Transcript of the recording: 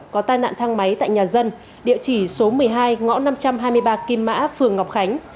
có tai nạn thang máy tại nhà dân địa chỉ số một mươi hai ngõ năm trăm hai mươi ba kim mã phường ngọc khánh